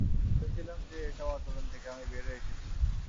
ভেবেছিলাম যে এসব আচরণ থেকে আমি বের হয়ে এসেছি।